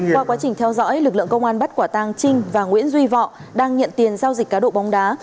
qua quá trình theo dõi lực lượng công an bắt quả tang trinh và nguyễn duy vọng đang nhận tiền giao dịch cá độ bóng đá